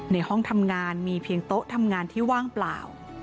ในห้องทำงานมีเพียงโต๊ะทำงานที่ว่างเปล่า